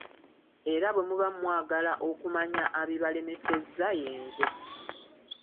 Era bwe muba mwagala okumanya abibalemesezza ye nze!